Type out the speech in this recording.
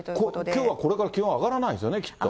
きょうはこれから気温上がらないですよね、きっと。